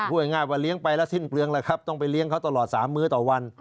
พูดง่ายว่าเลี้ยงไปแล้วสิ้นเปลืองแล้วครับต้องไปเลี้ยงเขาตลอด๓มื้อต่อวัน